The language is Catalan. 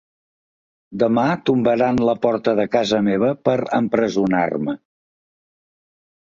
Demà tombaran la porta de casa meva per empresonar-me.